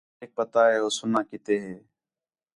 میک پتا ہے ہو سُنّا کِتے ہِے